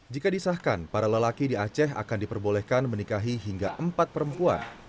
jika disahkan para lelaki di aceh akan diperbolehkan menikahi hingga empat perempuan